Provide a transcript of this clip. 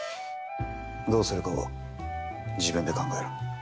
どうするかは自分で考えろ。